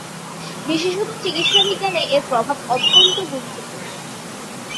বিশেষত চিকিৎসাবিজ্ঞানে এর প্রভাব অত্যন্ত গুরুত্বপূর্ণ।